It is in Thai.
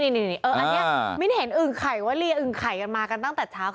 อันเนี้ยมินท์เห็นอึ่งไข่ว่าเรียนอึ่งไข่มาตั้งแต่เช้า